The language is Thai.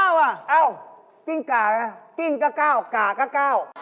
อ้าวกิ้งก่าก่าวก่าก่าว